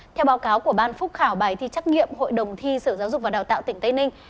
theo báo cáo của ban phúc khảo bài thi trắc nghiệm hội đồng thi sở giáo dục và đào tạo tỉnh tây ninh